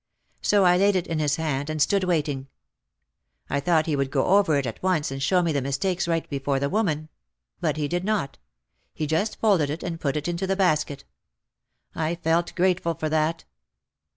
So I laid it in his hand and stood wait ing. I thought he would go over it at once and show me the mistakes right before the woman. But he did not. He just folded it and put it into the basket. I felt grate ful for that.